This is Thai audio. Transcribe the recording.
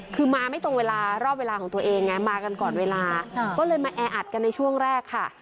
คือมาไม่ตรงเวลารอบเวลาของตัวเองไงมากันก่อนเวลาก็เลยมาแออัดกันในช่วงแรกค่ะ